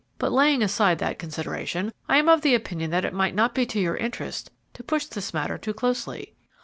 But, laying aside that consideration, I am of the opinion that it might not be to your interest to push this matter too closely."